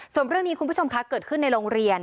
ส่วนเรื่องนี้คุณผู้ชมคะเกิดขึ้นในโรงเรียน